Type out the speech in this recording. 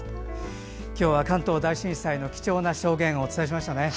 今日は関東大震災の貴重な音声をお伝えしましたね。